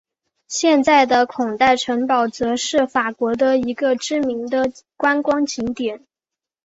现在的孔代城堡则是法国的一个知名的观光景点。